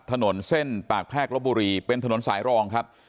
ถนนเส้นปากแพรกลบบุรีเป็นถนนสายรองครับ